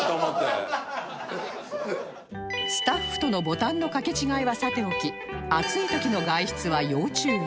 スタッフとのボタンの掛け違いはさておき暑い時の外出は要注意